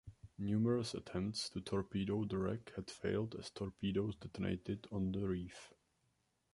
Numerous attempts to torpedo the wreck had failed as torpedoes detonated on the reef.